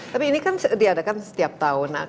tapi ini kan diadakan setiap tahun